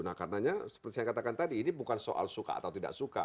nah karenanya seperti saya katakan tadi ini bukan soal suka atau tidak suka